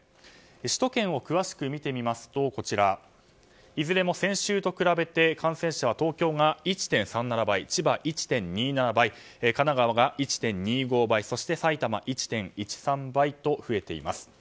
首都圏を詳しく見てみますといずれも先週と比べて感染者は東京が１．３７倍千葉、１．２７倍神奈川が１．２５倍そして埼玉は１．１３倍と増えています。